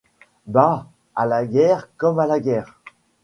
Bah! à la guerre comme à la guerre !